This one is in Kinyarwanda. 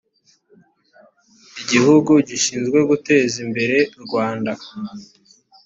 igihugu gishinzwe guteza imbere rwanda